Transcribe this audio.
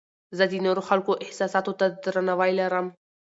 زه د نورو خلکو احساساتو ته درناوی لرم.